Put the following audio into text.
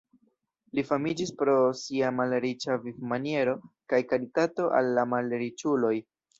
Li famiĝis pro sia malriĉa vivmaniero kaj karitato al la malriĉuloj.